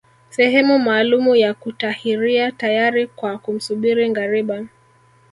Sehemu maalumu ya kutahiria tayari kwa kumsubiri ngariba